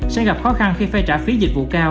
sẽ gặp khó khăn khi phải trả phí dịch vụ cao